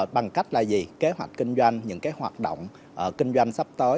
bằng cách là gì kế hoạch kinh doanh những hoạt động kinh doanh sắp tới